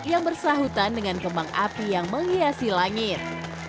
yang bersahutan dengan kembang api yang menghiasi langit